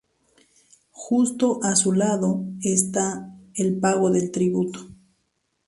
Justo a su lado está "El pago del tributo".